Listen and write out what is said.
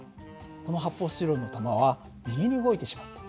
この発泡スチロールの玉は右に動いてしまった。